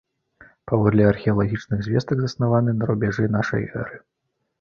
Паводле археалагічных звестак заснаваны на рубяжы нашай эры.